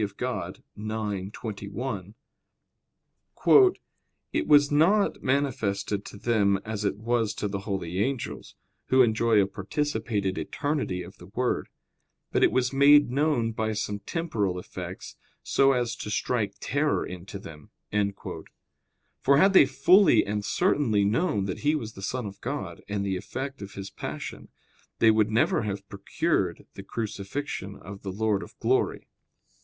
Dei ix, 21), "It was not manifested to them as it was to the holy angels, who enjoy a participated eternity of the Word; but it was made known by some temporal effects, so as to strike terror into them." For had they fully and certainly known that He was the Son of God and the effect of His passion, they would never have procured the crucifixion of the Lord of glory.